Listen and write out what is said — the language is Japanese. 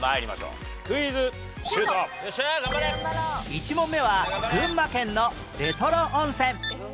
１問目は群馬県のレトロ温泉